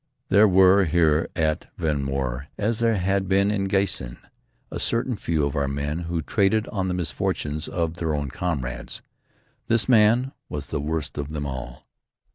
There were here at Vehnmoor, as there had been at Giessen, a certain few of our own men who traded on the misfortunes of their own comrades. This man was the worst of them all.